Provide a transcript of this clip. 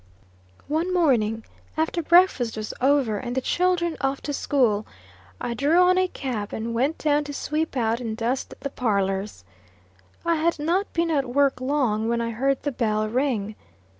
One morning, after breakfast was over, and the children off to school, I drew on a cap, and went down to sweep out and dust the parlors. I had not been at work long, when I heard the bell ring.